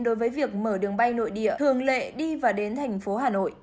đối với việc mở đường bay nội địa thường lệ đi và đến thành phố hà nội